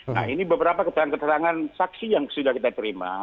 nah ini beberapa keterangan keterangan saksi yang sudah kita terima